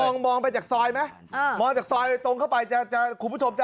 ภาพมองไปจากซอยมั้ยเออมองจากซอยตรงเข้าไปจะคุณผู้ชมจะอ๋อ